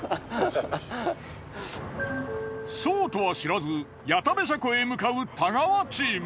そうとは知らず矢田部車庫へ向かう太川チーム。